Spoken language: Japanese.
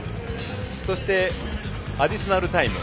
そしてアディショナルタイム。